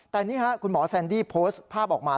แต่นี่ฮะคุณหมอแซนดี้โพสต์ภาพออกมา